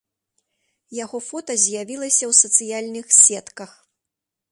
Яго фота з'явілася ў сацыяльных сетках.